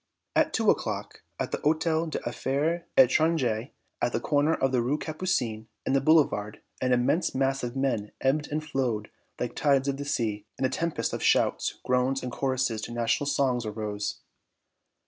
At two o'clock, at the Hôtel des Affaires Étrangères, at the corner of the Rue des Capucines and the Boulevard, an immense mass of men ebbed and flowed like tides of the sea, and a tempest of shouts, groans and choruses to national songs arose.